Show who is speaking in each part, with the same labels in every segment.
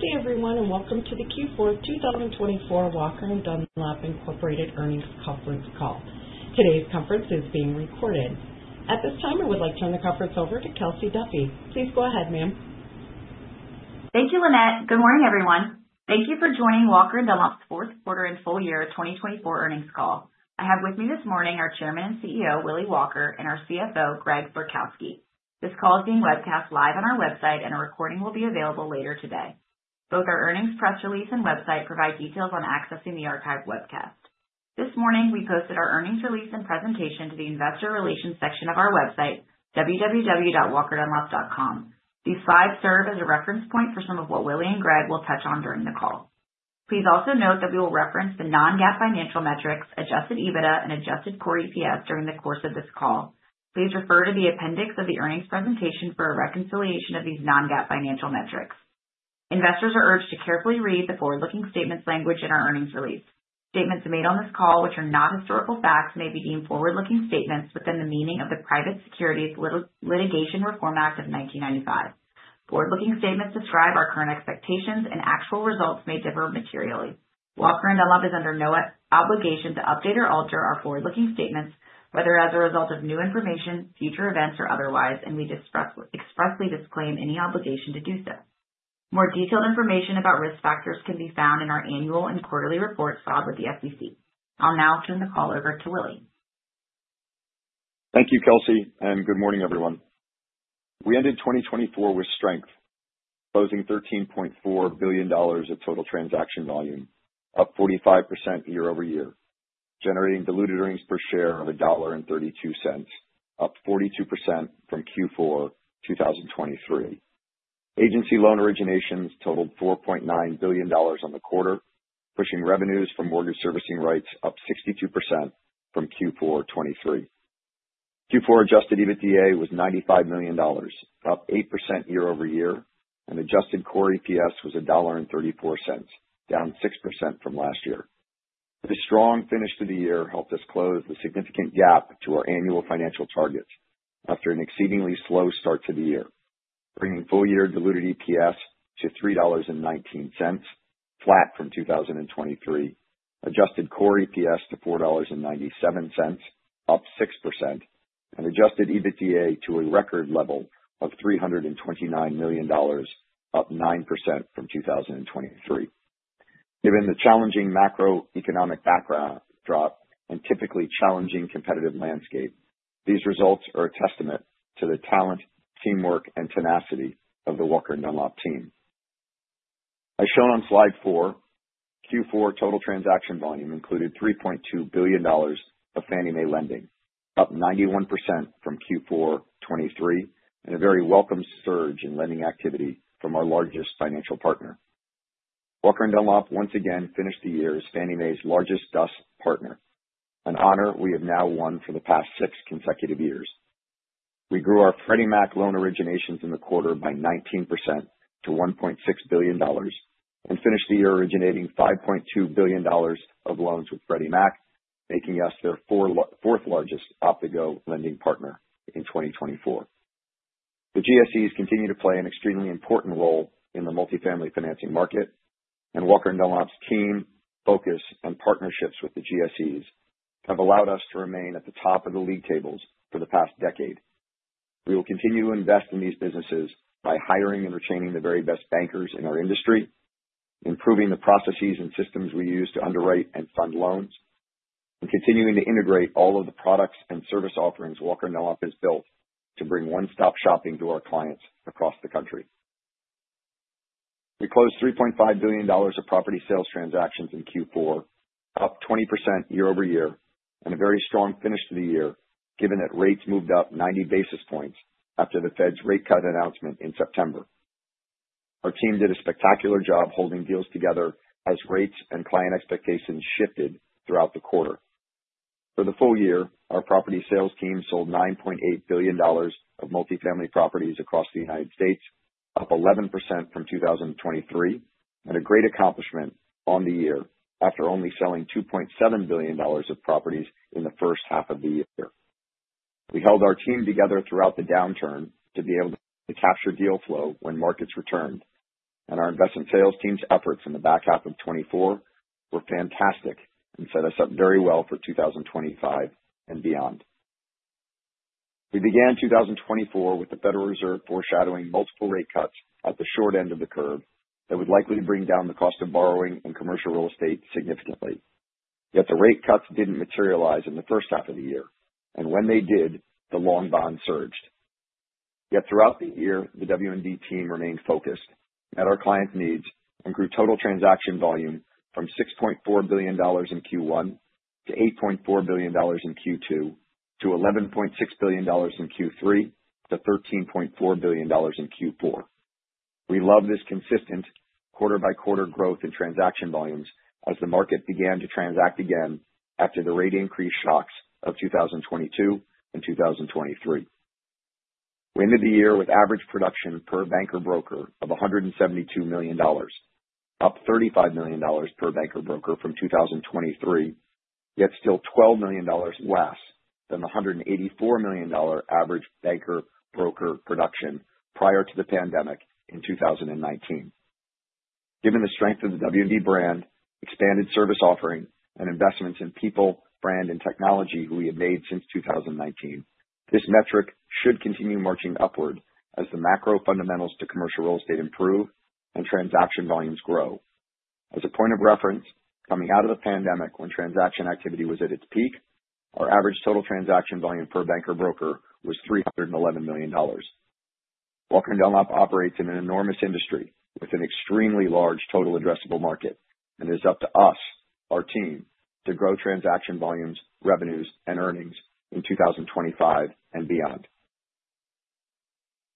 Speaker 1: Good day, everyone, and welcome to the Q4 2024 Walker & Dunlop Incorporated earnings conference call. Today's conference is being recorded. At this time, I would like to turn the conference over to Kelsey Duffey. Please go ahead, ma'am.
Speaker 2: Thank you, Lynette. Good morning, everyone. Thank you for joining Walker & Dunlop's fourth quarter and full year 2024 earnings call. I have with me this morning our Chairman and CEO, Willy Walker, and our CFO, Greg Florkowski. This call is being webcast live on our website, and a recording will be available later today. Both our earnings press release and website provide details on accessing the archived webcast. This morning, we posted our earnings release and presentation to the Investor Relations section of our website, www.walkerdunlop.com. These slides serve as a reference point for some of what Willy and Greg will touch on during the call. Please also note that we will reference the non-GAAP financial metrics, adjusted EBITDA, and adjusted core EPS during the course of this call. Please refer to the appendix of the earnings presentation for a reconciliation of these non-GAAP financial metrics. Investors are urged to carefully read the forward-looking statements language in our earnings release. Statements made on this call, which are not historical facts, may be deemed forward-looking statements within the meaning of the Private Securities Litigation Reform Act of 1995. Forward-looking statements describe our current expectations, and actual results may differ materially. Walker & Dunlop is under no obligation to update or alter our forward-looking statements, whether as a result of new information, future events, or otherwise, and we expressly disclaim any obligation to do so. More detailed information about risk factors can be found in our annual and quarterly reports filed with the SEC. I'll now turn the call over to Willy.
Speaker 3: Thank you, Kelsey, and good morning, everyone. We ended 2024 with strength, closing $13.4 billion of total transaction volume, up 45% year-over-year, generating diluted earnings per share of $1.32, up 42% from Q4 2023. Agency loan originations totaled $4.9 billion on the quarter, pushing revenues from mortgage servicing rights up 62% from Q4 2023. Q4 adjusted EBITDA was $95 million, up 8% year-over-year, and adjusted core EPS was $1.34, down 6% from last year. This strong finish to the year helped us close the significant gap to our annual financial targets after an exceedingly slow start to the year, bringing full-year diluted EPS to $3.19, flat from 2023, adjusted core EPS to $4.97, up 6%, and adjusted EBITDA to a record level of $329 million, up 9% from 2023. Given the challenging macroeconomic backdrop and typically challenging competitive landscape, these results are a testament to the talent, teamwork, and tenacity of the Walker & Dunlop team. As shown on slide four, Q4 total transaction volume included $3.2 billion of Fannie Mae lending, up 91% from Q4 2023, and a very welcome surge in lending activity from our largest financial partner. Walker & Dunlop once again finished the year as Fannie Mae's largest DUS partner, an honor we have now won for the past six consecutive years. We grew our Freddie Mac loan originations in the quarter by 19% to $1.6 billion and finished the year originating $5.2 billion of loans with Freddie Mac, making us their fourth-largest Optigo lending partner in 2024. The GSEs continue to play an extremely important role in the multifamily financing market, and Walker & Dunlop's team, focus, and partnerships with the GSEs have allowed us to remain at the top of the league tables for the past decade. We will continue to invest in these businesses by hiring and retaining the very best bankers in our industry, improving the processes and systems we use to underwrite and fund loans, and continuing to integrate all of the products and service offerings Walker & Dunlop has built to bring one-stop shopping to our clients across the country. We closed $3.5 billion of property sales transactions in Q4, up 20% year-over-year, and a very strong finish to the year, given that rates moved up 90 basis points after the Fed's rate cut announcement in September. Our team did a spectacular job holding deals together as rates and client expectations shifted throughout the quarter. For the full year, our property sales team sold $9.8 billion of multifamily properties across the United States, up 11% from 2023, and a great accomplishment on the year after only selling $2.7 billion of properties in the first half of the year. We held our team together throughout the downturn to be able to capture deal flow when markets returned, and our investment sales team's efforts in the back half of 2024 were fantastic and set us up very well for 2025 and beyond. We began 2024 with the Federal Reserve foreshadowing multiple rate cuts at the short end of the curve that would likely bring down the cost of borrowing and commercial real estate significantly. Yet the rate cuts didn't materialize in the first half of the year, and when they did, the long bond surged. Yet throughout the year, the W&D team remained focused, met our client needs, and grew total transaction volume from $6.4 billion in Q1 to $8.4 billion in Q2 to $11.6 billion in Q3 to $13.4 billion in Q4. We love this consistent quarter-by-quarter growth in transaction volumes as the market began to transact again after the rate increase shocks of 2022 and 2023. We ended the year with average production per banker broker of $172 million, up $35 million per banker broker from 2023, yet still $12 million less than the $184 million average banker broker production prior to the pandemic in 2019. Given the strength of the W&D brand, expanded service offering, and investments in people, brand, and technology we have made since 2019, this metric should continue marching upward as the macro fundamentals to commercial real estate improve and transaction volumes grow. As a point of reference, coming out of the pandemic when transaction activity was at its peak, our average total transaction volume per banker broker was $311 million. Walker & Dunlop operates in an enormous industry with an extremely large total addressable market, and it is up to us, our team, to grow transaction volumes, revenues, and earnings in 2025 and beyond.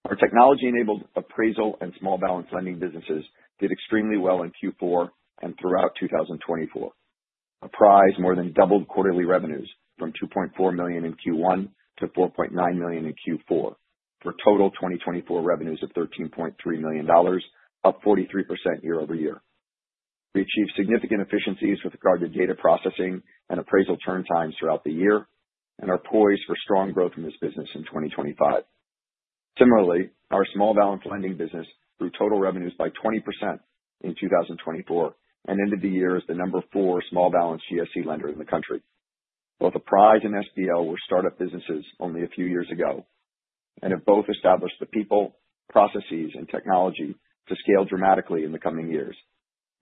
Speaker 3: Our technology-enabled appraisal and small balance lending businesses did extremely well in Q4 and throughout 2024. Apprise more than doubled quarterly revenues from $2.4 million in Q1 to $4.9 million in Q4 for total 2024 revenues of $13.3 million, up 43% year-over-year. We achieved significant efficiencies with regard to data processing and appraisal turn times throughout the year and are poised for strong growth in this business in 2025. Similarly, our small balance lending business grew total revenues by 20% in 2024 and ended the year as the number four small balance GSE lender in the country. Both Apprise and SBL were startup businesses only a few years ago, and have both established the people, processes, and technology to scale dramatically in the coming years.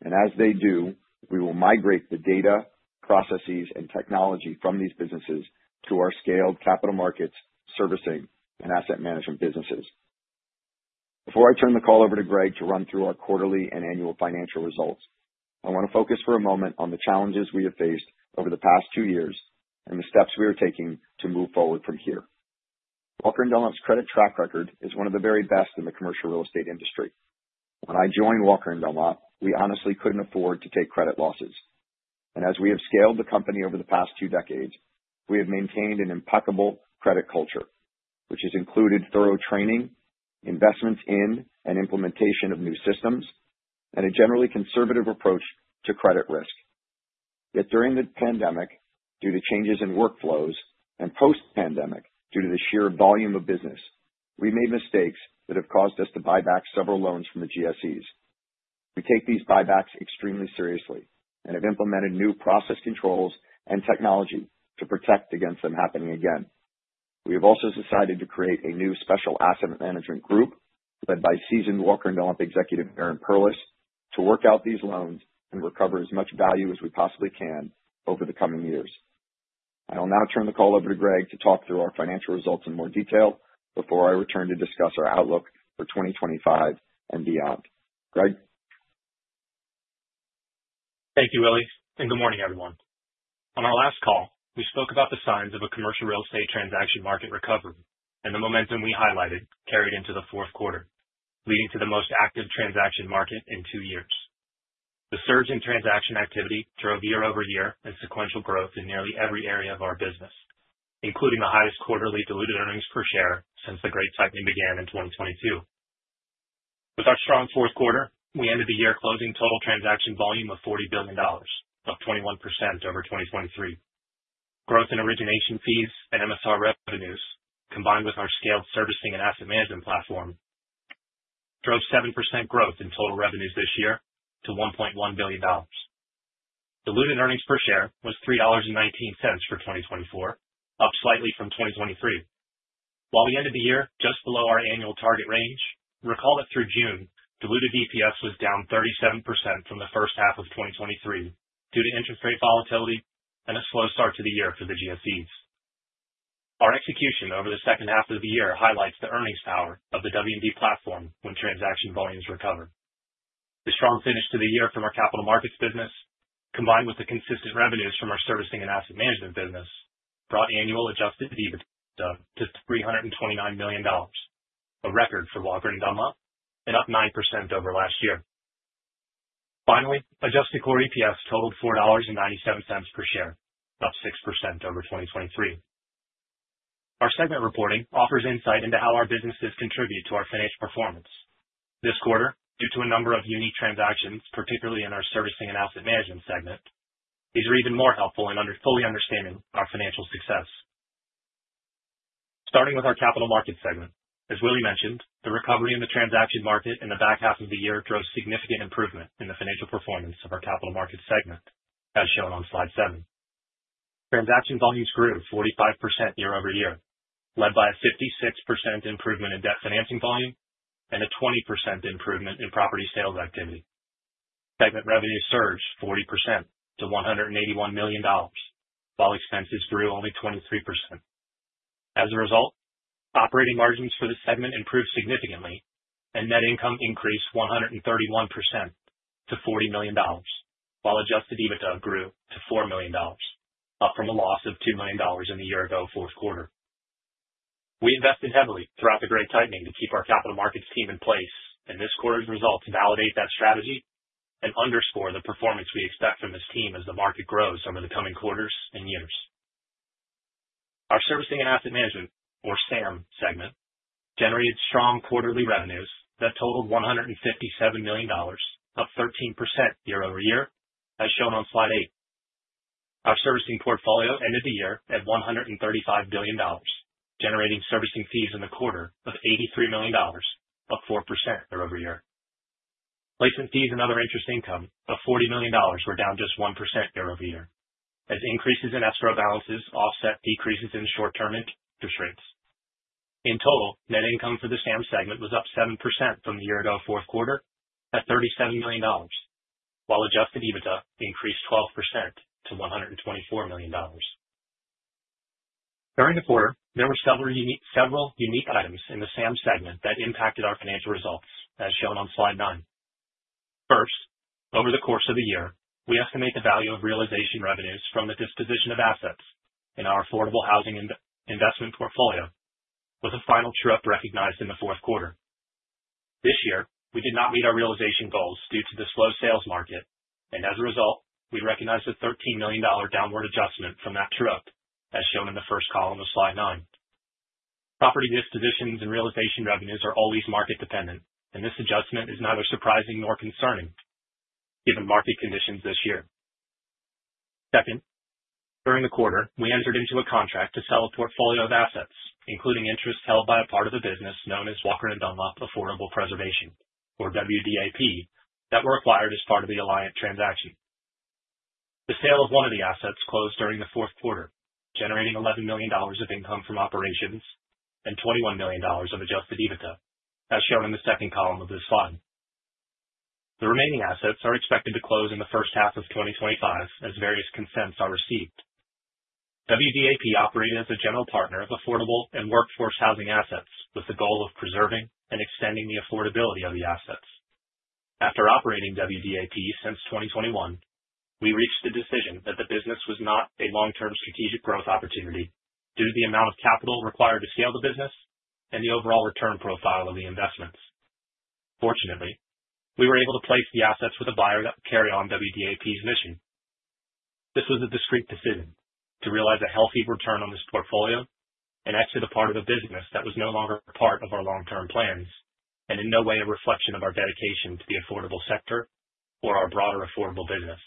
Speaker 3: And as they do, we will migrate the data, processes, and technology from these businesses to our scaled capital markets, servicing, and asset management businesses. Before I turn the call over to Greg to run through our quarterly and annual financial results, I want to focus for a moment on the challenges we have faced over the past two years and the steps we are taking to move forward from here. Walker & Dunlop's credit track record is one of the very best in the commercial real estate industry. When I joined Walker & Dunlop, we honestly couldn't afford to take credit losses. And as we have scaled the company over the past two decades, we have maintained an impeccable credit culture, which has included thorough training, investments in and implementation of new systems, and a generally conservative approach to credit risk. Yet during the pandemic, due to changes in workflows, and post-pandemic due to the sheer volume of business, we made mistakes that have caused us to buy back several loans from the GSEs. We take these buybacks extremely seriously and have implemented new process controls and technology to protect against them happening again. We have also decided to create a new special asset management group led by seasoned Walker & Dunlop executive Aaron Perlis to work out these loans and recover as much value as we possibly can over the coming years. I'll now turn the call over to Greg to talk through our financial results in more detail before I return to discuss our outlook for 2025 and beyond. Greg.
Speaker 4: Thank you, Willy, and good morning, everyone. On our last call, we spoke about the signs of a commercial real estate transaction market recovery and the momentum we highlighted carried into the fourth quarter, leading to the most active transaction market in two years. The surge in transaction activity drove year-over-year and sequential growth in nearly every area of our business, including the highest quarterly diluted earnings per share since the Great Tightening began in 2022. With our strong fourth quarter, we ended the year closing total transaction volume of $40 billion, up 21% over 2023. Growth in origination fees and MSR revenues, combined with our scaled servicing and asset management platform, drove 7% growth in total revenues this year to $1.1 billion. Diluted earnings per share was $3.19 for 2024, up slightly from 2023. While we ended the year just below our annual target range, recall that through June, diluted EPS was down 37% from the first half of 2023 due to interest rate volatility and a slow start to the year for the GSEs. Our execution over the second half of the year highlights the earnings power of the W&D platform when transaction volumes recover. The strong finish to the year from our capital markets business, combined with the consistent revenues from our servicing and asset management business, brought annual adjusted EBITDA to $329 million, a record for Walker & Dunlop, and up 9% over last year. Finally, adjusted core EPS totaled $4.97 per share, up 6% over 2023. Our segment reporting offers insight into how our businesses contribute to our financial performance. This quarter, due to a number of unique transactions, particularly in our servicing and asset management segment, is even more helpful in fully understanding our financial success. Starting with our capital markets segment, as Willy mentioned, the recovery in the transaction market in the back half of the year drove significant improvement in the financial performance of our capital markets segment, as shown on slide seven. Transaction volumes grew 45% year-over-year, led by a 56% improvement in debt financing volume and a 20% improvement in property sales activity. Segment revenues surged 40% to $181 million, while expenses grew only 23%. As a result, operating margins for the segment improved significantly, and net income increased 131% to $40 million, while adjusted EBITDA grew to $4 million, up from a loss of $2 million in the year ago fourth quarter. We invested heavily throughout the Great Tightening to keep our capital markets team in place, and this quarter's results validate that strategy and underscore the performance we expect from this team as the market grows over the coming quarters and years. Our servicing and asset management, or SAM segment, generated strong quarterly revenues that totaled $157 million, up 13% year-over-year, as shown on slide eight. Our servicing portfolio ended the year at $135 billion, generating servicing fees in the quarter of $83 million, up 4% year-over-year. Placement fees and other interest income of $40 million were down just 1% year-over-year, as increases in escrow balances offset decreases in short-term interest rates. In total, net income for the SAM segment was up 7% from the year ago fourth quarter at $37 million, while adjusted EBITDA increased 12% to $124 million. During the quarter, there were several unique items in the SAM segment that impacted our financial results, as shown on slide nine. First, over the course of the year, we estimate the value of realization revenues from the disposition of assets in our affordable housing investment portfolio with a final true-up recognized in the fourth quarter. This year, we did not meet our realization goals due to the slow sales market, and as a result, we recognize a $13 million downward adjustment from that true-up, as shown in the first column of slide nine. Property dispositions and realization revenues are always market-dependent, and this adjustment is neither surprising nor concerning given market conditions this year. Second, during the quarter, we entered into a contract to sell a portfolio of assets, including interest held by a part of the business known as Walker & Dunlop Affordable Preservation, or WDAP, that were acquired as part of the Alliant transaction. The sale of one of the assets closed during the fourth quarter, generating $11 million of income from operations and $21 million of adjusted EBITDA, as shown in the second column of this slide. The remaining assets are expected to close in the first half of 2025 as various consents are received. WDAP operated as a general partner of affordable and workforce housing assets with the goal of preserving and extending the affordability of the assets. After operating WDAP since 2021, we reached the decision that the business was not a long-term strategic growth opportunity due to the amount of capital required to scale the business and the overall return profile of the investments. Fortunately, we were able to place the assets with a buyer that would carry on WDAP's mission. This was a discreet decision to realize a healthy return on this portfolio and exit a part of a business that was no longer part of our long-term plans and in no way a reflection of our dedication to the affordable sector or our broader affordable business.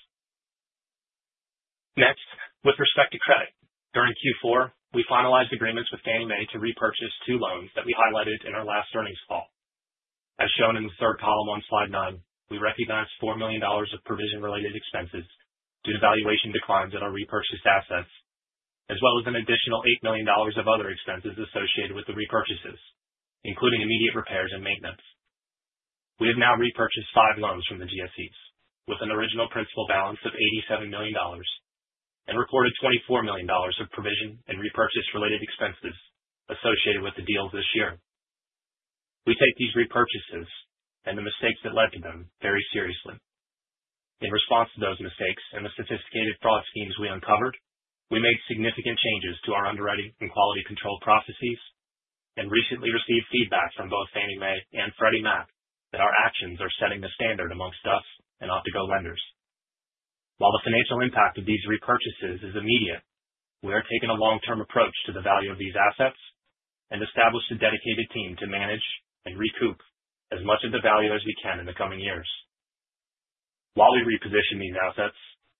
Speaker 4: Next, with respect to credit, during Q4, we finalized agreements with Ginnie Mae to repurchase two loans that we highlighted in our last earnings call. As shown in the third column on slide nine, we recognize $4 million of provision-related expenses due to valuation declines in our repurchased assets, as well as an additional $8 million of other expenses associated with the repurchases, including immediate repairs and maintenance. We have now repurchased five loans from the GSEs with an original principal balance of $87 million and reported $24 million of provision and repurchase-related expenses associated with the deals this year. We take these repurchases and the mistakes that led to them very seriously. In response to those mistakes and the sophisticated fraud schemes we uncovered, we made significant changes to our underwriting and quality control processes and recently received feedback from both Fannie Mae and Freddie Mac that our actions are setting the standard amongst DUS and Optigo lenders. While the financial impact of these repurchases is immediate, we are taking a long-term approach to the value of these assets and established a dedicated team to manage and recoup as much of the value as we can in the coming years. While we reposition these assets,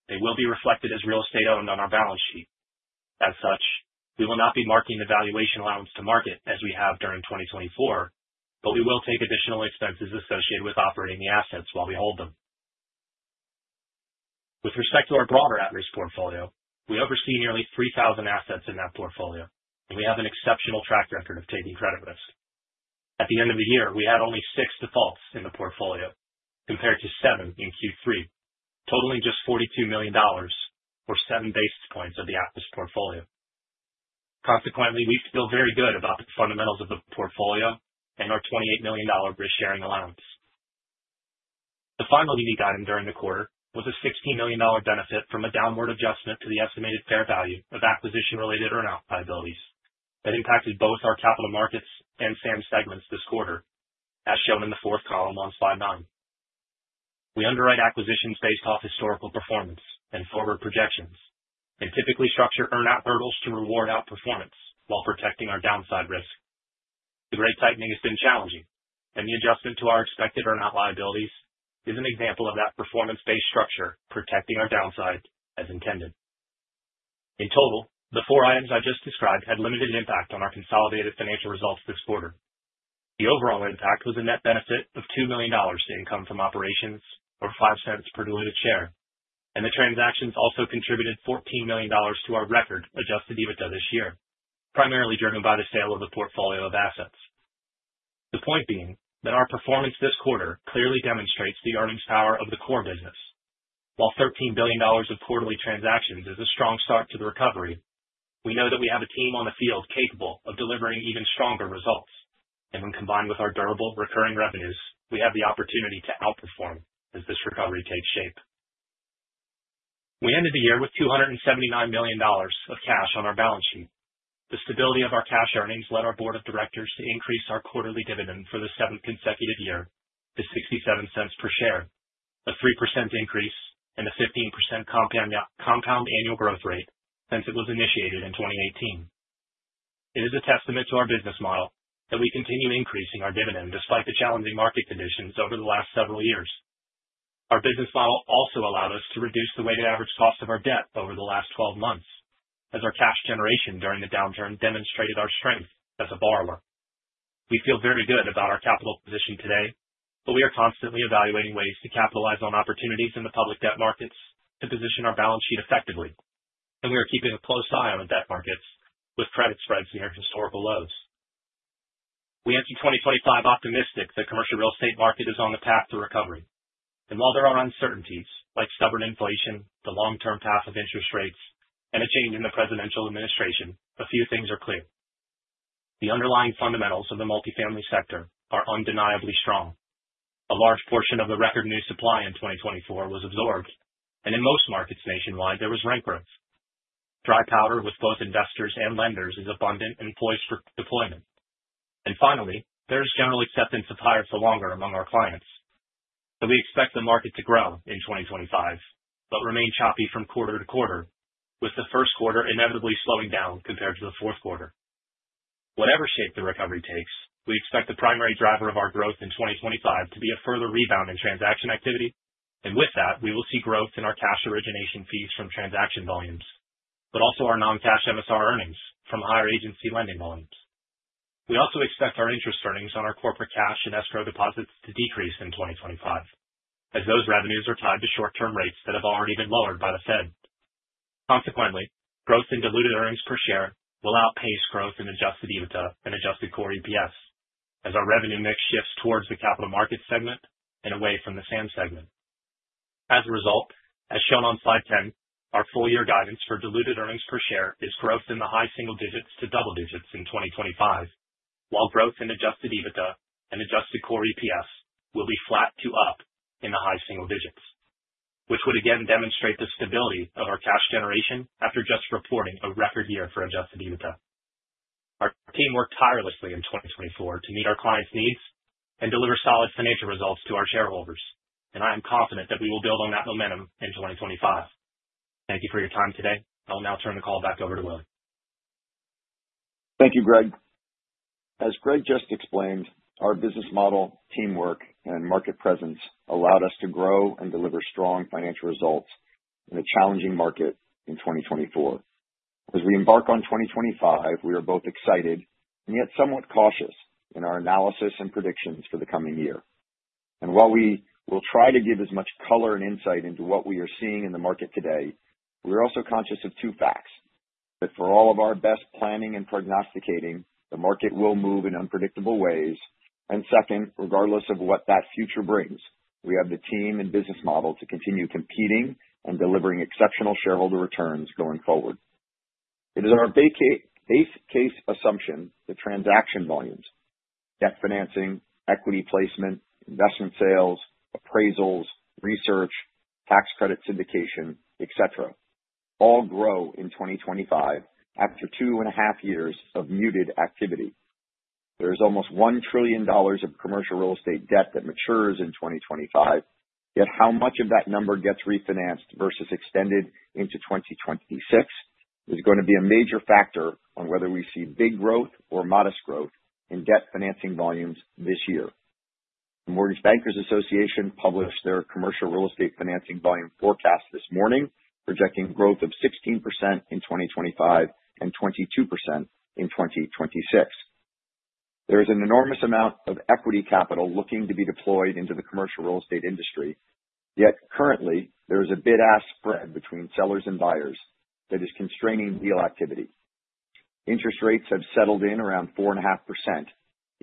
Speaker 4: they will be reflected as real estate owned on our balance sheet. As such, we will not be marking the valuation allowance to market as we have during 2024, but we will take additional expenses associated with operating the assets while we hold them. With respect to our broader Atlas portfolio, we oversee nearly 3,000 assets in that portfolio, and we have an exceptional track record of taking credit risk. At the end of the year, we had only six defaults in the portfolio compared to seven in Q3, totaling just $42 million, or seven basis points of the Atlas portfolio. Consequently, we feel very good about the fundamentals of the portfolio and our $28 million risk-sharing allowance. The final unique item during the quarter was a $16 million benefit from a downward adjustment to the estimated fair value of acquisition-related earnout liabilities that impacted both our capital markets and SAM segments this quarter, as shown in the fourth column on slide nine. We underwrite acquisitions based off historical performance and forward projections and typically structure earnout hurdles to reward outperformance while protecting our downside risk. The Great Tightening has been challenging, and the adjustment to our expected earnout liabilities is an example of that performance-based structure protecting our downside as intended. In total, the four items I just described had limited impact on our consolidated financial results this quarter. The overall impact was a net benefit of $2 million to income from operations or $0.05 per diluted share, and the transactions also contributed $14 million to our record adjusted EBITDA this year, primarily driven by the sale of the portfolio of assets. The point being that our performance this quarter clearly demonstrates the earnings power of the core business. While $13 billion of quarterly transactions is a strong start to the recovery, we know that we have a team on the field capable of delivering even stronger results, and when combined with our durable recurring revenues, we have the opportunity to outperform as this recovery takes shape. We ended the year with $279 million of cash on our balance sheet. The stability of our cash earnings led our board of directors to increase our quarterly dividend for the seventh consecutive year to $0.67 per share, a 3% increase and a 15% compound annual growth rate since it was initiated in 2018. It is a testament to our business model that we continue increasing our dividend despite the challenging market conditions over the last several years. Our business model also allowed us to reduce the weighted average cost of our debt over the last 12 months, as our cash generation during the downturn demonstrated our strength as a borrower. We feel very good about our capital position today, but we are constantly evaluating ways to capitalize on opportunities in the public debt markets to position our balance sheet effectively, and we are keeping a close eye on the debt markets with credit spreads near historical lows. We enter 2025 optimistic that the commercial real estate market is on the path to recovery, and while there are uncertainties like stubborn inflation, the long-term path of interest rates, and a change in the presidential administration, a few things are clear. The underlying fundamentals of the multifamily sector are undeniably strong. A large portion of the record new supply in 2024 was absorbed, and in most markets nationwide, there was rent growth. Dry powder with both investors and lenders is abundant and poised for deployment. And finally, there is general acceptance of higher for longer among our clients, so we expect the market to grow in 2025 but remain choppy from quarter to quarter, with the first quarter inevitably slowing down compared to the fourth quarter. Whatever shape the recovery takes, we expect the primary driver of our growth in 2025 to be a further rebound in transaction activity, and with that, we will see growth in our cash origination fees from transaction volumes, but also our non-cash MSR earnings from higher agency lending volumes. We also expect our interest earnings on our corporate cash and escrow deposits to decrease in 2025, as those revenues are tied to short-term rates that have already been lowered by the Fed. Consequently, growth in diluted earnings per share will outpace growth in adjusted EBITDA and adjusted core EPS, as our revenue mix shifts towards the capital markets segment and away from the SAM segment. As a result, as shown on slide 10, our full-year guidance for diluted earnings per share is growth in the high single digits to double digits in 2025, while growth in adjusted EBITDA and adjusted core EPS will be flat to up in the high single digits, which would again demonstrate the stability of our cash generation after just reporting a record year for adjusted EBITDA. Our team worked tirelessly in 2024 to meet our clients' needs and deliver solid financial results to our shareholders, and I am confident that we will build on that momentum in 2025. Thank you for your time today. I'll now turn the call back over to Willy.
Speaker 3: Thank you, Greg. As Greg just explained, our business model, teamwork, and market presence allowed us to grow and deliver strong financial results in a challenging market in 2024. As we embark on 2025, we are both excited and yet somewhat cautious in our analysis and predictions for the coming year. And while we will try to give as much color and insight into what we are seeing in the market today, we are also conscious of two facts: that for all of our best planning and prognosticating, the market will move in unpredictable ways, and second, regardless of what that future brings, we have the team and business model to continue competing and delivering exceptional shareholder returns going forward. It is our base case assumption that transaction volumes, debt financing, equity placement, investment sales, appraisals, research, tax credit syndication, etc., all grow in 2025 after two and a half years of muted activity. There is almost $1 trillion of commercial real estate debt that matures in 2025, yet how much of that number gets refinanced versus extended into 2026 is going to be a major factor on whether we see big growth or modest growth in debt financing volumes this year. The Mortgage Bankers Association published their commercial real estate financing volume forecast this morning, projecting growth of 16% in 2025 and 22% in 2026. There is an enormous amount of equity capital looking to be deployed into the commercial real estate industry, yet currently there is a bid-ask spread between sellers and buyers that is constraining deal activity. Interest rates have settled in around 4.5%,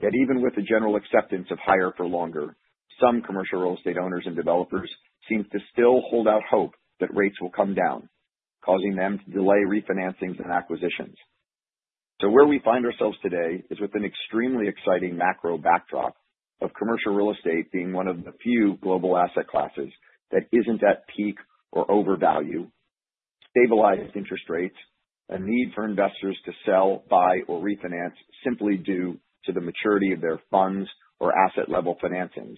Speaker 3: yet even with the general acceptance of higher for longer, some commercial real estate owners and developers seem to still hold out hope that rates will come down, causing them to delay refinancings and acquisitions. So where we find ourselves today is with an extremely exciting macro backdrop of commercial real estate being one of the few global asset classes that isn't at peak or overvalue, stabilized interest rates, a need for investors to sell, buy, or refinance simply due to the maturity of their funds or asset-level financings,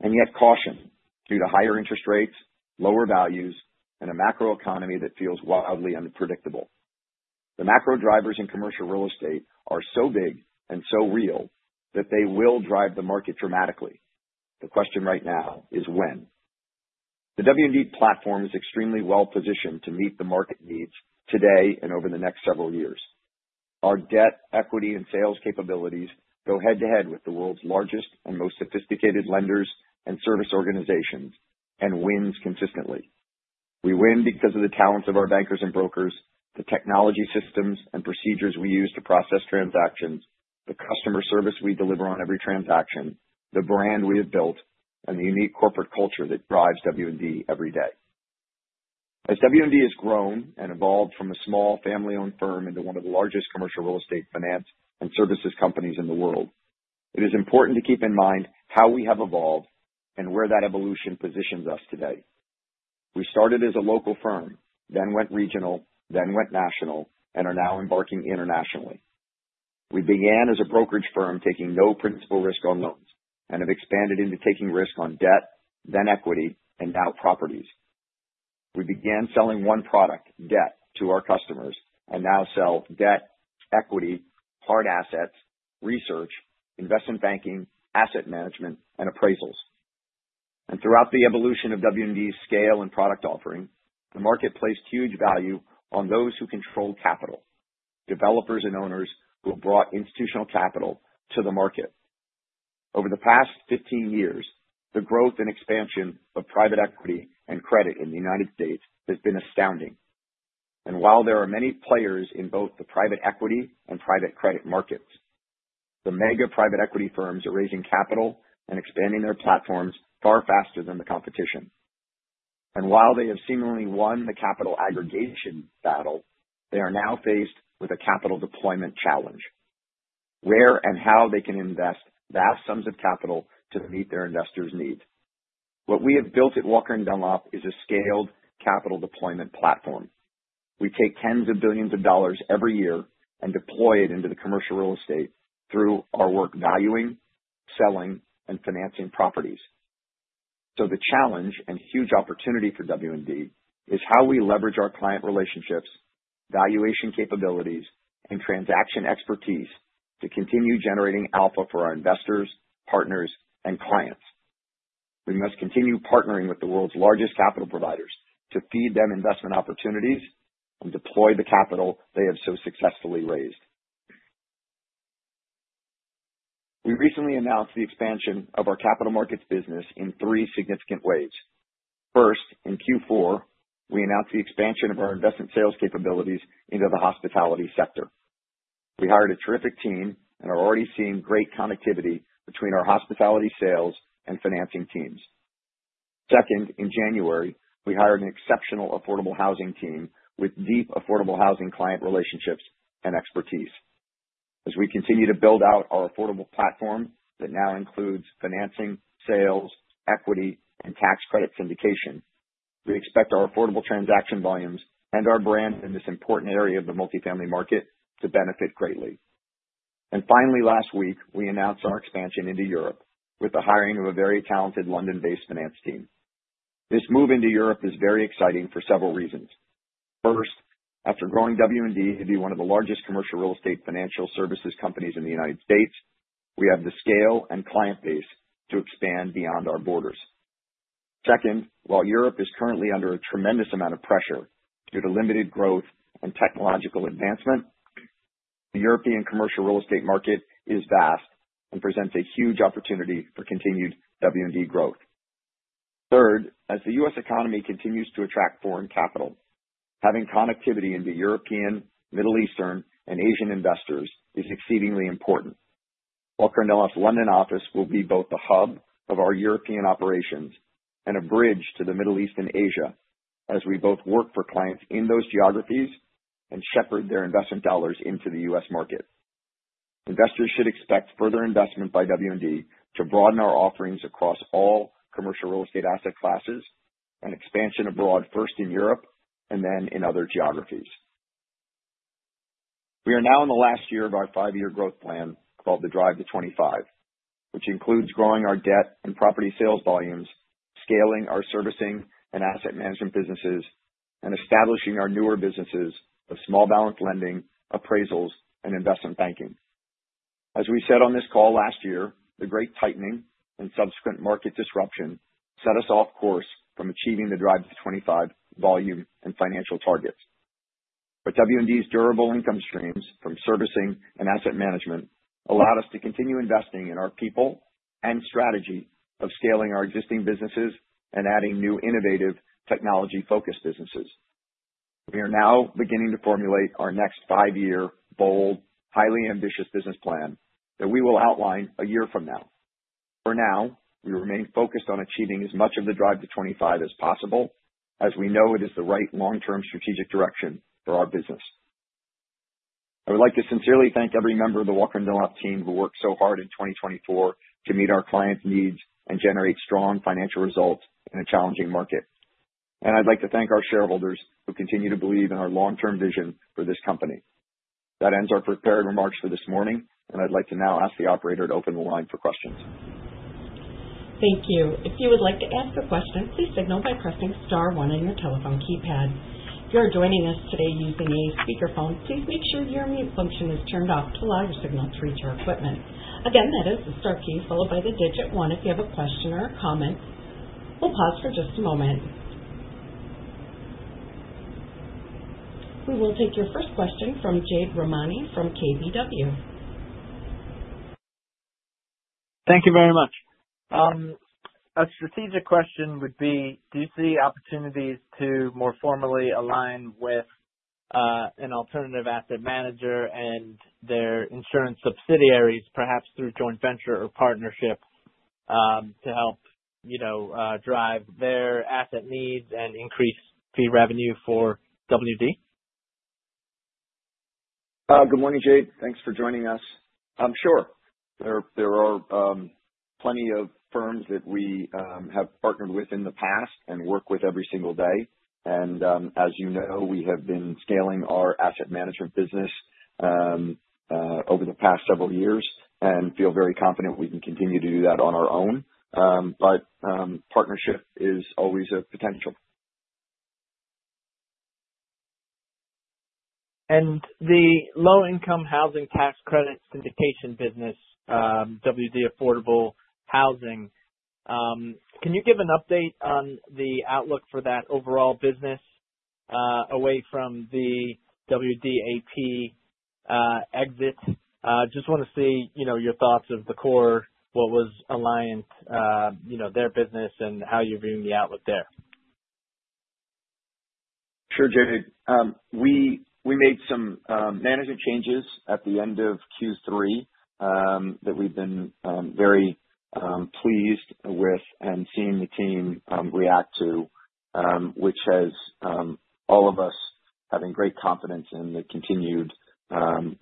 Speaker 3: and yet caution due to higher interest rates, lower values, and a macro economy that feels wildly unpredictable. The macro drivers in commercial real estate are so big and so real that they will drive the market dramatically. The question right now is when. The W&D platform is extremely well-positioned to meet the market needs today and over the next several years. Our debt, equity, and sales capabilities go head-to-head with the world's largest and most sophisticated lenders and service organizations and wins consistently. We win because of the talents of our bankers and brokers, the technology systems and procedures we use to process transactions, the customer service we deliver on every transaction, the brand we have built, and the unique corporate culture that drives W&D every day. As W&D has grown and evolved from a small family-owned firm into one of the largest commercial real estate finance and services companies in the world, it is important to keep in mind how we have evolved and where that evolution positions us today. We started as a local firm, then went regional, then went national, and are now embarking internationally. We began as a brokerage firm taking no principal risk on loans and have expanded into taking risk on debt, then equity, and now properties. We began selling one product, debt, to our customers and now sell debt, equity, hard assets, research, investment banking, asset management, and appraisals. And throughout the evolution of W&D's scale and product offering, the market placed huge value on those who control capital, developers and owners who have brought institutional capital to the market. Over the past 15 years, the growth and expansion of private equity and credit in the United States has been astounding. And while there are many players in both the private equity and private credit markets, the mega private equity firms are raising capital and expanding their platforms far faster than the competition. And while they have seemingly won the capital aggregation battle, they are now faced with a capital deployment challenge: where and how they can invest vast sums of capital to meet their investors' needs. What we have built at Walker & Dunlop is a scaled capital deployment platform. We take tens of billions of dollars every year and deploy it into the commercial real estate through our work valuing, selling, and financing properties, so the challenge and huge opportunity for W&D is how we leverage our client relationships, valuation capabilities, and transaction expertise to continue generating alpha for our investors, partners, and clients. We must continue partnering with the world's largest capital providers to feed them investment opportunities and deploy the capital they have so successfully raised. We recently announced the expansion of our capital markets business in three significant waves. First, in Q4, we announced the expansion of our investment sales capabilities into the hospitality sector. We hired a terrific team and are already seeing great connectivity between our hospitality sales and financing teams. Second, in January, we hired an exceptional affordable housing team with deep affordable housing client relationships and expertise. As we continue to build out our affordable platform that now includes financing, sales, equity, and tax credit syndication, we expect our affordable transaction volumes and our brand in this important area of the multifamily market to benefit greatly. And finally, last week, we announced our expansion into Europe with the hiring of a very talented London-based finance team. This move into Europe is very exciting for several reasons. First, after growing W&D to be one of the largest commercial real estate financial services companies in the United States, we have the scale and client base to expand beyond our borders. Second, while Europe is currently under a tremendous amount of pressure due to limited growth and technological advancement, the European commercial real estate market is vast and presents a huge opportunity for continued W&D growth. Third, as the U.S. economy continues to attract foreign capital, having connectivity into European, Middle Eastern, and Asian investors is exceedingly important. Walker & Dunlop's London office will be both the hub of our European operations and a bridge to the Middle East and Asia as we both work for clients in those geographies and shepherd their investment dollars into the U.S. market. Investors should expect further investment by W&D to broaden our offerings across all commercial real estate asset classes and expansion abroad first in Europe and then in other geographies. We are now in the last year of our five-year growth plan called the Drive to 25, which includes growing our debt and property sales volumes, scaling our servicing and asset management businesses, and establishing our newer businesses of small balance lending, appraisals, and investment banking. As we said on this call last year, the Great Tightening and subsequent market disruption set us off course from achieving the Drive to 25 volume and financial targets. But W&D's durable income streams from servicing and asset management allowed us to continue investing in our people and strategy of scaling our existing businesses and adding new innovative technology-focused businesses. We are now beginning to formulate our next five-year bold, highly ambitious business plan that we will outline a year from now. For now, we remain focused on achieving as much of the Drive to 25 as possible as we know it is the right long-term strategic direction for our business. I would like to sincerely thank every member of the Walker & Dunlop team who worked so hard in 2024 to meet our clients' needs and generate strong financial results in a challenging market, and I'd like to thank our shareholders who continue to believe in our long-term vision for this company. That ends our prepared remarks for this morning, and I'd like to now ask the operator to open the line for questions.
Speaker 1: Thank you. If you would like to ask a question, please signal by pressing star one on your telephone keypad. If you're joining us today using a speakerphone, please make sure your mute function is turned off to allow your signal to reach our equipment. Again, that is the star key followed by the digit one if you have a question or a comment. We'll pause for just a moment. We will take your first question from Jade Rahmani from KBW.
Speaker 5: Thank you very much. A strategic question would be, do you see opportunities to more formally align with an alternative asset manager and their insurance subsidiaries, perhaps through joint venture or partnership, to help drive their asset needs and increase fee revenue for W&D?
Speaker 3: Good morning, Jade. Thanks for joining us. Sure. There are plenty of firms that we have partnered with in the past and work with every single day. And as you know, we have been scaling our asset management business over the past several years and feel very confident we can continue to do that on our own. But partnership is always a potential.
Speaker 5: And the low-income housing tax credit syndication business, WD Affordable Housing, can you give an update on the outlook for that overall business away from the WDAP exit? Just want to see your thoughts of the core, what was aligned, their business, and how you're viewing the outlook there.
Speaker 3: Sure, Jade. We made some management changes at the end of Q3 that we've been very pleased with and seeing the team react to, which has all of us having great confidence in the continued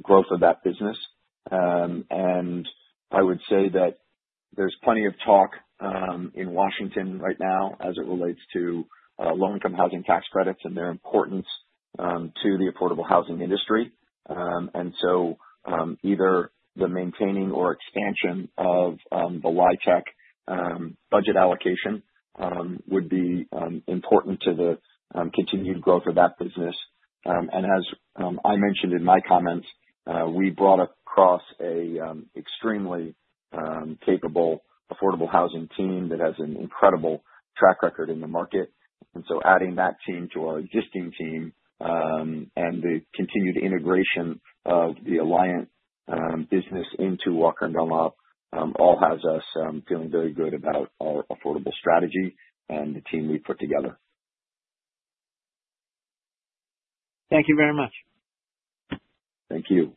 Speaker 3: growth of that business. And I would say that there's plenty of talk in Washington right now as it relates to low-income housing tax credits and their importance to the affordable housing industry. And so either the maintaining or expansion of the LIHTC budget allocation would be important to the continued growth of that business. As I mentioned in my comments, we brought across an extremely capable affordable housing team that has an incredible track record in the market. And so adding that team to our existing team and the continued integration of the Alliant business into Walker & Dunlop all has us feeling very good about our affordable strategy and the team we've put together.
Speaker 5: Thank you very much.
Speaker 3: Thank you.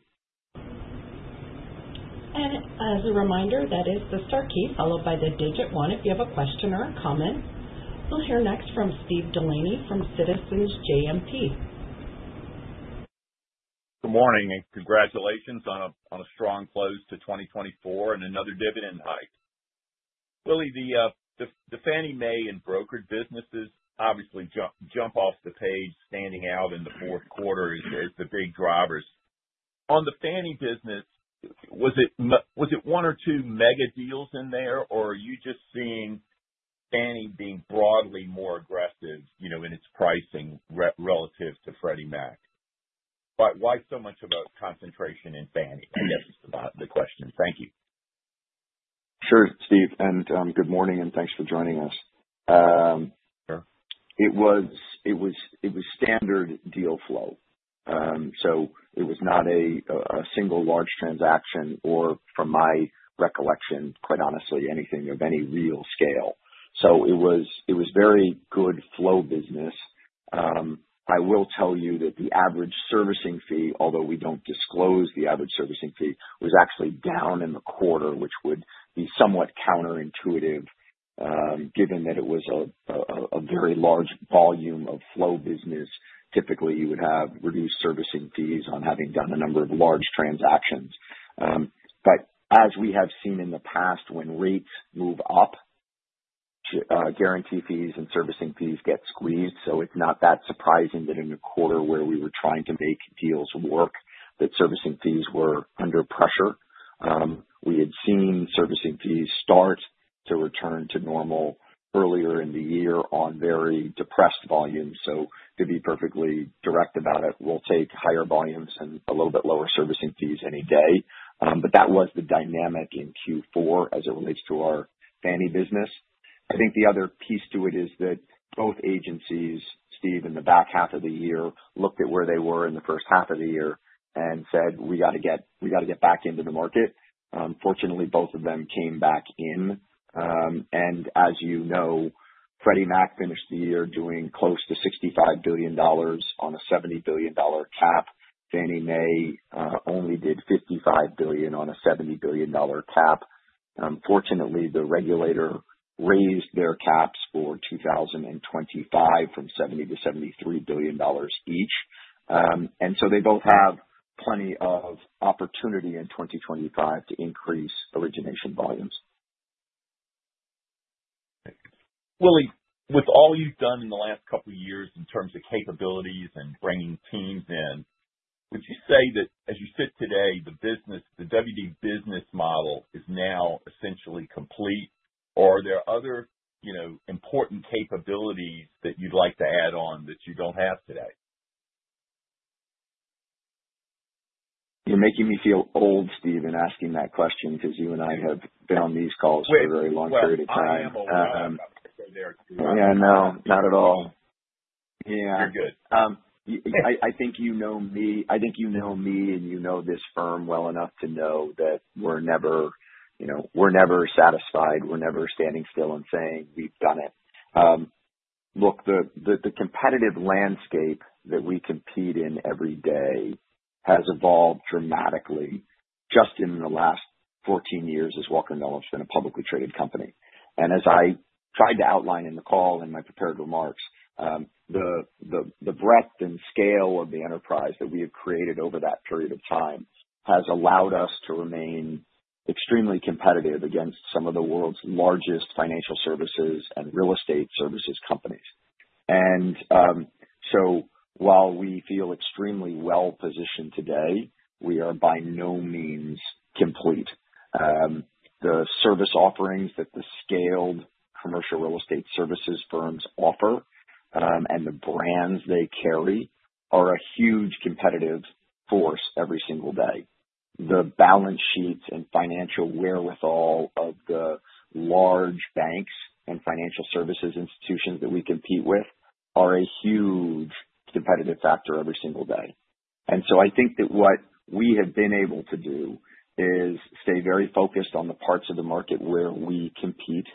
Speaker 1: And as a reminder, that is the star key followed by the digit one if you have a question or a comment. We'll hear next from Steve Delaney from Citizens JMP.
Speaker 6: Good morning and congratulations on a strong close to 2024 and another dividend hike. Willy, the Fannie Mae and brokered businesses obviously jump off the page standing out in the fourth quarter as the big drivers. On the Fannie business, was it one or two mega deals in there, or are you just seeing Fannie being broadly more aggressive in its pricing relative to Freddie Mac? Why so much about concentration in Fannie? I guess is the question. Thank you.
Speaker 3: Sure, Steve. And good morning and thanks for joining us. It was standard deal flow. So it was not a single large transaction or, from my recollection, quite honestly, anything of any real scale. So it was very good flow business. I will tell you that the average servicing fee, although we don't disclose the average servicing fee, was actually down in the quarter, which would be somewhat counterintuitive given that it was a very large volume of flow business. Typically, you would have reduced servicing fees on having done a number of large transactions. But as we have seen in the past, when rates move up, guarantee fees and servicing fees get squeezed. So it's not that surprising that in the quarter where we were trying to make deals work, that servicing fees were under pressure. We had seen servicing fees start to return to normal earlier in the year on very depressed volumes. So to be perfectly direct about it, we'll take higher volumes and a little bit lower servicing fees any day. But that was the dynamic in Q4 as it relates to our Fannie business. I think the other piece to it is that both agencies, Steve in the back half of the year, looked at where they were in the first half of the year and said, "We got to get back into the market." Fortunately, both of them came back in. And as you know, Freddie Mac finished the year doing close to $65 billion on a $70 billion cap. Fannie Mae only did $55 billion on a $70 billion cap. Fortunately, the regulator raised their caps for 2025 from $70 to $73 billion each. And so they both have plenty of opportunity in 2025 to increase origination volumes.
Speaker 6: Willy, with all you've done in the last couple of years in terms of capabilities and bringing teams in, would you say that as you sit today, the W&D business model is now essentially complete? Or are there other important capabilities that you'd like to add on that you don't have today?
Speaker 3: You're making me feel old, Steve, in asking that question because you and I have been on these calls for a very long period of time. Yeah, no, not at all. Yeah.
Speaker 6: You're good.
Speaker 3: I think you know me. I think you know me and you know this firm well enough to know that we're never satisfied. We're never standing still and saying, "We've done it." Look, the competitive landscape that we compete in every day has evolved dramatically just in the last 14 years as Walker & Dunlop's been a publicly traded company, and as I tried to outline in the call in my prepared remarks, the breadth and scale of the enterprise that we have created over that period of time has allowed us to remain extremely competitive against some of the world's largest financial services and real estate services companies, and so while we feel extremely well-positioned today, we are by no means complete. The service offerings that the scaled commercial real estate services firms offer and the brands they carry are a huge competitive force every single day. The balance sheets and financial wherewithal of the large banks and financial services institutions that we compete with are a huge competitive factor every single day. And so I think that what we have been able to do is stay very focused on the parts of the market where we compete,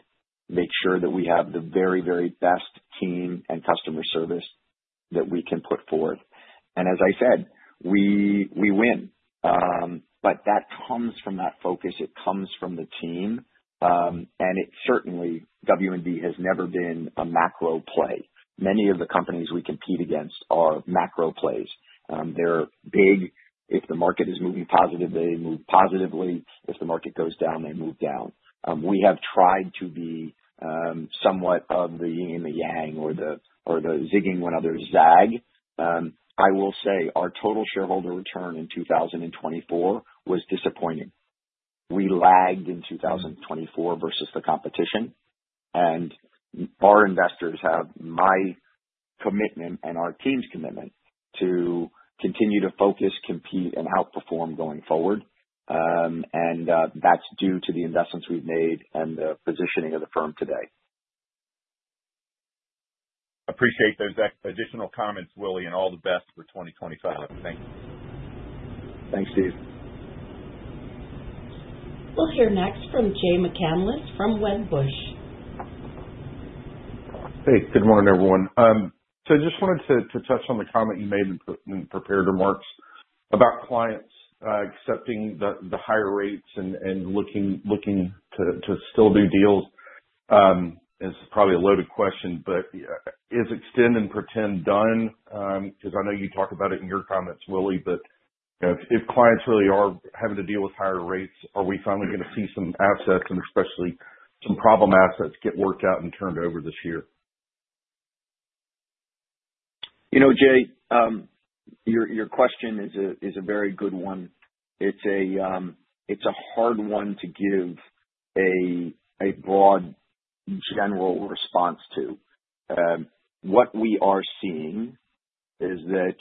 Speaker 3: make sure that we have the very, very best team and customer service that we can put forth. And as I said, we win. But that comes from that focus. It comes from the team. And certainly, W&D has never been a macro play. Many of the companies we compete against are macro plays. They're big. If the market is moving positive, they move positively. If the market goes down, they move down. We have tried to be somewhat of the yin and the yang or the zigging when others zag. I will say our total shareholder return in 2024 was disappointing. We lagged in 2024 versus the competition. And our investors have my commitment and our team's commitment to continue to focus, compete, and outperform going forward. And that's due to the investments we've made and the positioning of the firm today.
Speaker 6: Appreciate those additional comments, Willy, and all the best for 2025. Thank you.
Speaker 3: Thanks, Steve.
Speaker 1: We'll hear next from Jay McCanless from Wedbush.
Speaker 7: Hey, good morning, everyone. So I just wanted to touch on the comment you made in the prepared remarks about clients accepting the higher rates and looking to still do deals. It's probably a loaded question, but is extend and pretend done?
Speaker 8: Because I know you talk about it in your comments, Willy, but if clients really are having to deal with higher rates, are we finally going to see some assets, and especially some problem assets, get worked out and turned over this year?
Speaker 3: You know, Jay, your question is a very good one. It's a hard one to give a broad general response to. What we are seeing is that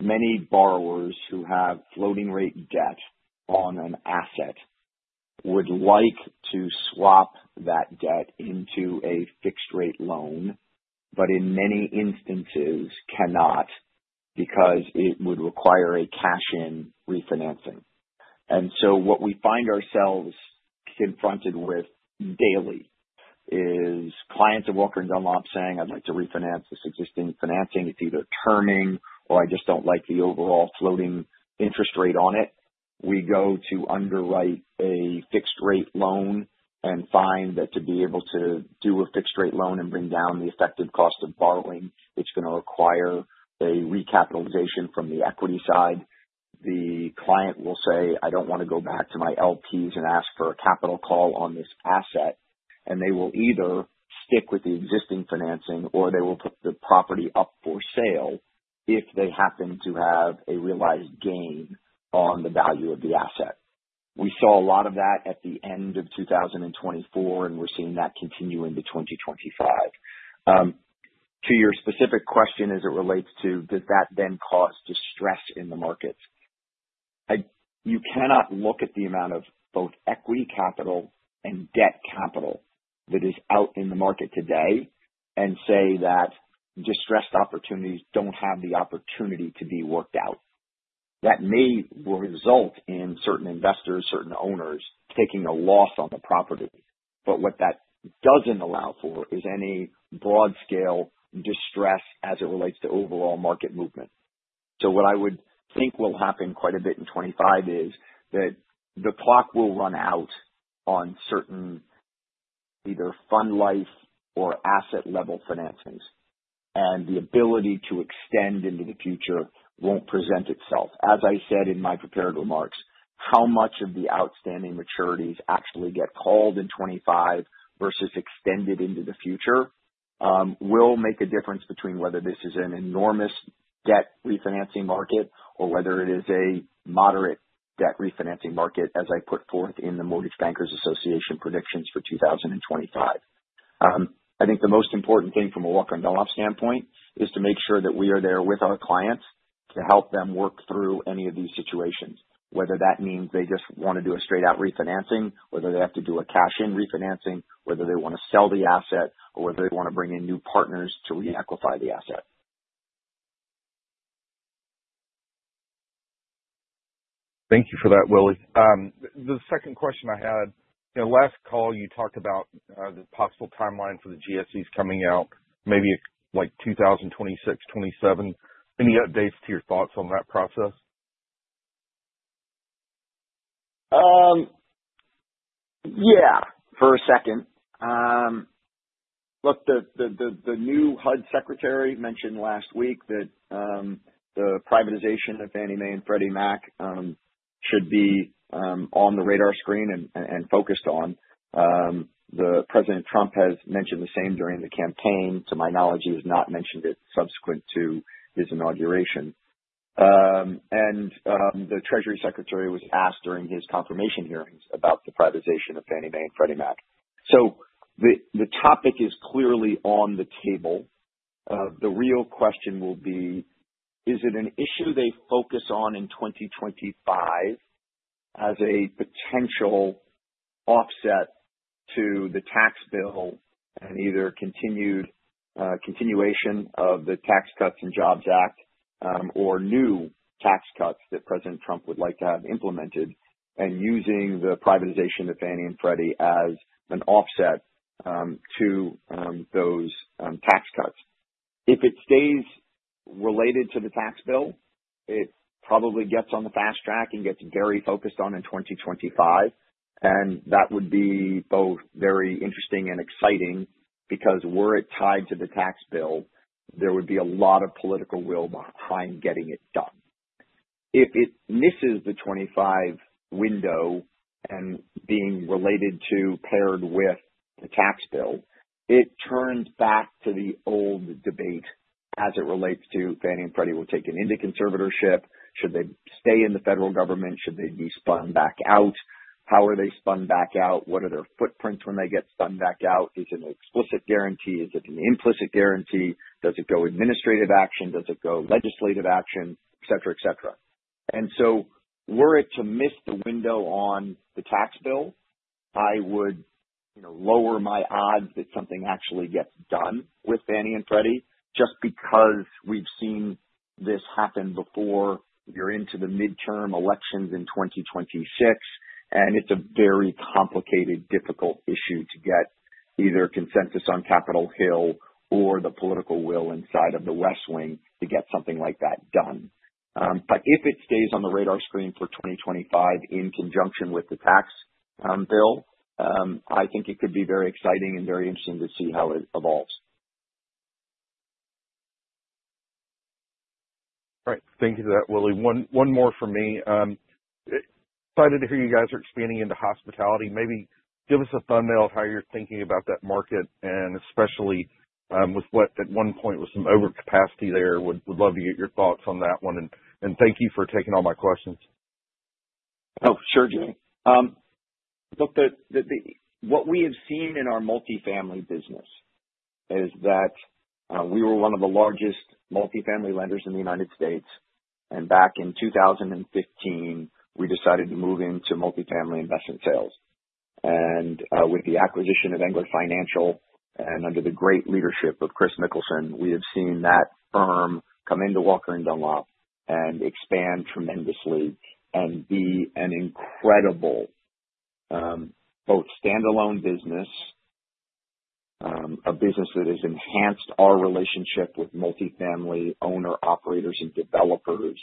Speaker 3: many borrowers who have floating rate debt on an asset would like to swap that debt into a fixed-rate loan, but in many instances cannot because it would require a cash-in refinancing. And so what we find ourselves confronted with daily is clients of Walker & Dunlop saying, "I'd like to refinance this existing financing. It's either terming or I just don't like the overall floating interest rate on it." We go to underwrite a fixed-rate loan and find that to be able to do a fixed-rate loan and bring down the effective cost of borrowing, it's going to require a recapitalization from the equity side. The client will say, "I don't want to go back to my LPs and ask for a capital call on this asset." And they will either stick with the existing financing or they will put the property up for sale if they happen to have a realized gain on the value of the asset. We saw a lot of that at the end of 2024, and we're seeing that continue into 2025. To your specific question as it relates to, does that then cause distress in the markets? You cannot look at the amount of both equity capital and debt capital that is out in the market today and say that distressed opportunities don't have the opportunity to be worked out. That may result in certain investors, certain owners taking a loss on the property. But what that doesn't allow for is any broad-scale distress as it relates to overall market movement. So what I would think will happen quite a bit in 2025 is that the clock will run out on certain either fund life or asset-level financings. And the ability to extend into the future won't present itself. As I said in my prepared remarks, how much of the outstanding maturities actually get called in 2025 versus extended into the future will make a difference between whether this is an enormous debt refinancing market or whether it is a moderate debt refinancing market, as I put forth in the Mortgage Bankers Association predictions for 2025. I think the most important thing from a Walker & Dunlop standpoint is to make sure that we are there with our clients to help them work through any of these situations, whether that means they just want to do a straight-out refinancing, whether they have to do a cash-in refinancing, whether they want to sell the asset, or whether they want to bring in new partners to re-equify the asset.
Speaker 7: Thank you for that, Willy. The second question I had, last call you talked about the possible timeline for the GSEs coming out, maybe like 2026, 2027. Any updates to your thoughts on that process?
Speaker 3: Yeah, for a second. Look, the new HUD Secretary mentioned last week that the privatization of Fannie Mae and Freddie Mac should be on the radar screen and focused on. President Trump has mentioned the same during the campaign. To my knowledge, he has not mentioned it subsequent to his inauguration. And the Treasury Secretary was asked during his confirmation hearings about the privatization of Fannie Mae and Freddie Mac. So the topic is clearly on the table. The real question will be, is it an issue they focus on in 2025 as a potential offset to the tax bill and either continuation of the Tax Cuts and Jobs Act or new tax cuts that President Trump would like to have implemented and using the privatization of Fannie and Freddie as an offset to those tax cuts? If it stays related to the tax bill, it probably gets on the fast track and gets very focused on in 2025, and that would be both very interesting and exciting because were it tied to the tax bill, there would be a lot of political will behind getting it done. If it misses the 2025 window and being related or paired with the tax bill, it turns back to the old debate as it relates to Fannie and Freddie will take an end to the conservatorship. Should they stay in the federal government? Should they be spun back out? How are they spun back out? What are their footprints when they get spun back out? Is it an explicit guarantee? Is it an implicit guarantee? Does it go administrative action? Does it go legislative action? Et cetera, et cetera. And so were it to miss the window on the tax bill, I would lower my odds that something actually gets done with Fannie and Freddie just because we've seen this happen before. You're into the midterm elections in 2026, and it's a very complicated, difficult issue to get either consensus on Capitol Hill or the political will inside of the West Wing to get something like that done. But if it stays on the radar screen for 2025 in conjunction with the tax bill, I think it could be very exciting and very interesting to see how it evolves.
Speaker 7: All right. Thank you for that, Willy. One more for me. Excited to hear you guys are expanding into hospitality. Maybe give us a thumbnail of how you're thinking about that market and especially with what at one point was some overcapacity there. Would love to get your thoughts on that one. And thank you for taking all my questions.
Speaker 3: Oh, sure, Jay. Look, what we have seen in our multifamily business is that we were one of the largest multifamily lenders in the United States. And back in 2015, we decided to move into multifamily investment sales. And with the acquisition of Engler Financial and under the great leadership of Kris Mikkelsen, we have seen that firm come into Walker & Dunlop and expand tremendously and be an incredible both standalone business, a business that has enhanced our relationship with multifamily owners, operators, and developers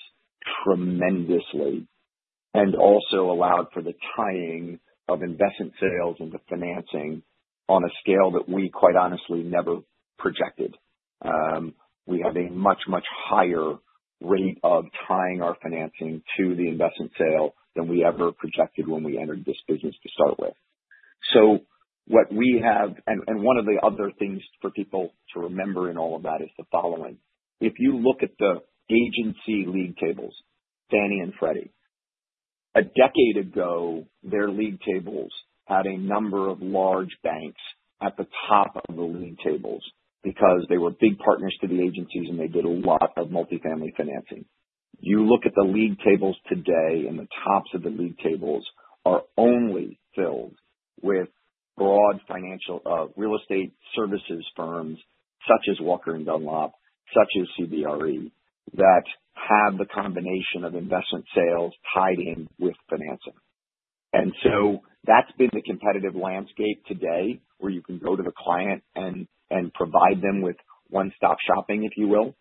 Speaker 3: tremendously, and also allowed for the tying of investment sales into financing on a scale that we quite honestly never projected. We have a much, much higher rate of tying our financing to the investment sale than we ever projected when we entered this business to start with, so what we have, and one of the other things for people to remember in all of that is the following. If you look at the agency league tables, Fannie and Freddie, a decade ago, their league tables had a number of large banks at the top of the league tables because they were big partners to the agencies and they did a lot of multifamily financing. You look at the league tables today, and the tops of the league tables are only filled with broad financial real estate services firms such as Walker & Dunlop, such as CBRE that have the combination of investment sales tied in with financing, and so that's been the competitive landscape today where you can go to the client and provide them with one-stop shopping, if you will,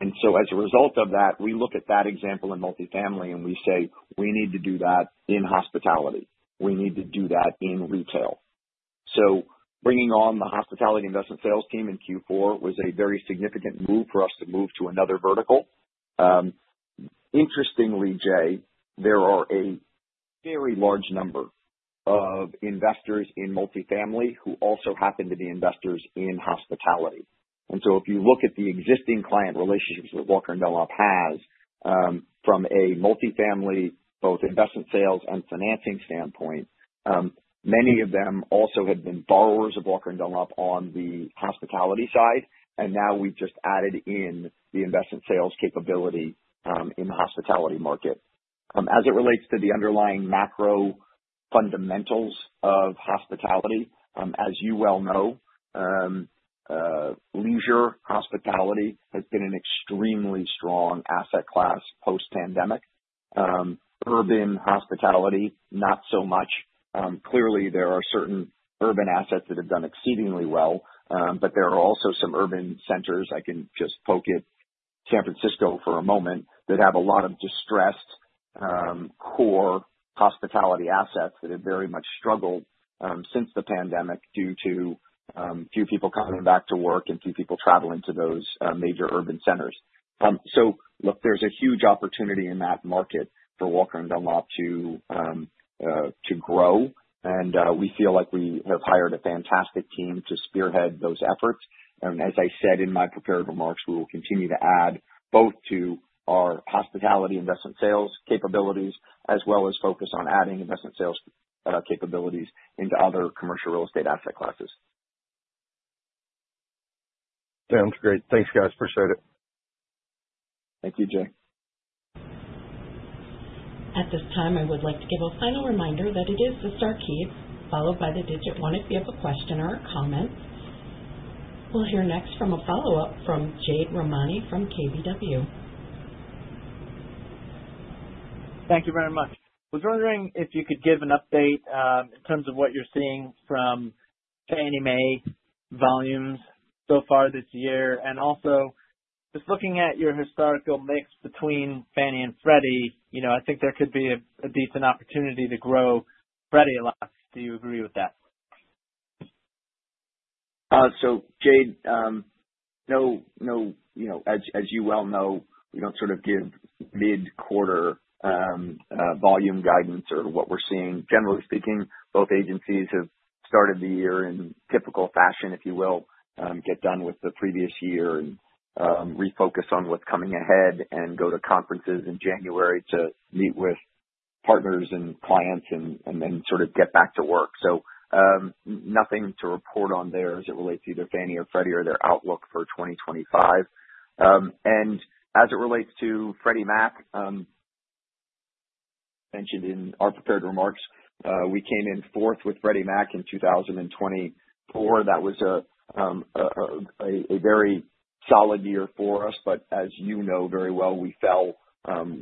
Speaker 3: and so as a result of that, we look at that example in multifamily and we say, "We need to do that in hospitality.
Speaker 4: We need to do that in retail." So, bringing on the hospitality investment sales team in Q4 was a very significant move for us to move to another vertical. Interestingly, Jay, there are a very large number of investors in multifamily who also happen to be investors in hospitality. And so if you look at the existing client relationships that Walker & Dunlop has from a multifamily both investment sales and financing standpoint, many of them also have been borrowers of Walker & Dunlop on the hospitality side. And now we've just added in the investment sales capability in the hospitality market. As it relates to the underlying macro fundamentals of hospitality, as you well know, leisure hospitality has been an extremely strong asset class post-pandemic. Urban hospitality, not so much. Clearly, there are certain urban assets that have done exceedingly well, but there are also some urban centers, I can just poke at San Francisco for a moment, that have a lot of distressed core hospitality assets that have very much struggled since the pandemic due to few people coming back to work and few people traveling to those major urban centers. So look, there's a huge opportunity in that market for Walker & Dunlop to grow. And we feel like we have hired a fantastic team to spearhead those efforts. And as I said in my prepared remarks, we will continue to add both to our hospitality investment sales capabilities as well as focus on adding investment sales capabilities into other commercial real estate asset classes.
Speaker 7: Sounds great. Thanks, guys. Appreciate it.
Speaker 3: Thank you, Jay.
Speaker 1: At this time, I would like to give a final reminder that it is the star key, followed by the digit one if you have a question or a comment. We'll hear next from a follow-up from Jade Rahmani from KBW.
Speaker 5: Thank you very much. I was wondering if you could give an update in terms of what you're seeing from Fannie Mae volumes so far this year. And also, just looking at your historical mix between Fannie and Freddie, I think there could be a decent opportunity to grow Freddie a lot. Do you agree with that?
Speaker 3: So Jade, as you well know, we don't sort of give mid-quarter volume guidance or what we're seeing. Generally speaking, both agencies have started the year in typical fashion, if you will. Get done with the previous year and refocus on what's coming ahead and go to conferences in January to meet with partners and clients and then sort of get back to work, so nothing to report on there as it relates to either Fannie or Freddie or their outlook for 2025, and as it relates to Freddie Mac, mentioned in our prepared remarks, we came in fourth with Freddie Mac in 2024. That was a very solid year for us, but as you know very well, we fell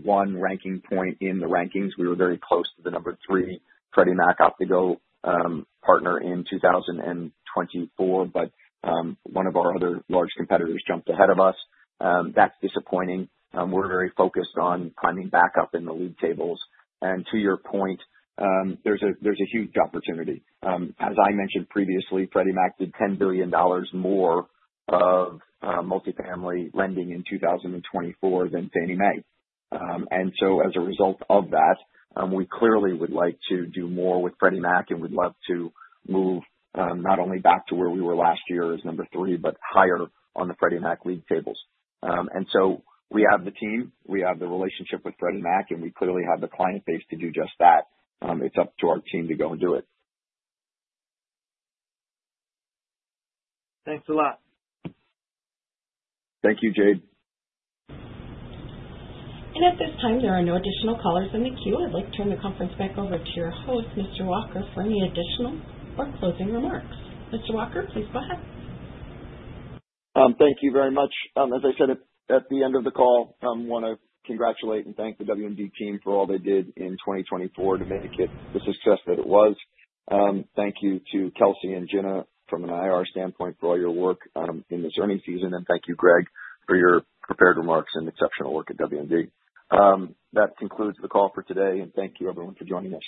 Speaker 3: one ranking point in the rankings. We were very close to the number three Freddie Mac Optigo partner in 2024, but one of our other large competitors jumped ahead of us. That's disappointing. We're very focused on climbing back up in the league tables.
Speaker 4: To your point, there's a huge opportunity. As I mentioned previously, Freddie Mac did $10 billion more of multifamily lending in 2024 than Fannie Mae. And so as a result of that, we clearly would like to do more with Freddie Mac and would love to move not only back to where we were last year as number three, but higher on the Freddie Mac league tables. And so we have the team, we have the relationship with Freddie Mac, and we clearly have the client base to do just that. It's up to our team to go and do it.
Speaker 5: Thanks a lot.
Speaker 3: Thank you, Jade.
Speaker 1: And at this time, there are no additional callers in the queue. I'd like to turn the conference back over to your host, Mr. Walker, for any additional or closing remarks. Mr. Walker, please go ahead.
Speaker 3: Thank you very much. As I said at the end of the call, I want to congratulate and thank the W&D team for all they did in 2024 to make it the success that it was. Thank you to Kelsey and Jenna from an IR standpoint for all your work in this earnings season, and thank you, Greg, for your prepared remarks and exceptional work at W&D. That concludes the call for today, and thank you, everyone, for joining us.